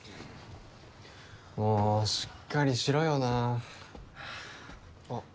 もうしっかりしろよなあっ